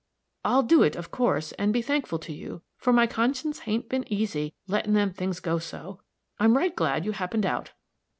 I'll do it, of course, and be thankful to you; for my conscience hain't been easy, lettin' them things go so. I'm right glad you happened out."